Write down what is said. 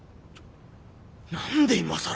何で今更！